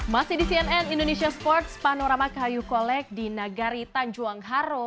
masih di cnn indonesia sports panorama kayu kolek di nagari tanjuang haro